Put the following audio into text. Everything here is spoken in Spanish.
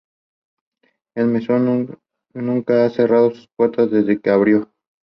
El mesón nunca ha cerrado sus puertas desde que abrió.